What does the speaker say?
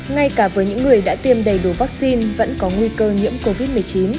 ngay cả với những người đã tiêm đầy đủ vaccine vẫn có nguy cơ nhiễm covid một mươi chín